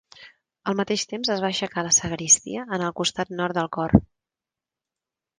Al mateix temps es va aixecar la sagristia en el costat nord del cor.